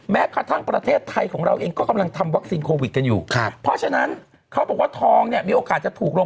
แม้กระทั่งประเทศไทยของเราเองก็กำลังทำวัคซีนโควิดกันอยู่ครับเพราะฉะนั้นเขาบอกว่าทองเนี่ยมีโอกาสจะถูกลง